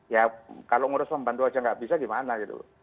ya kalau ngurus pembantu aja nggak bisa gimana gitu